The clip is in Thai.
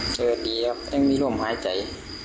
เจอดีครับยังมีร่วมหายใจ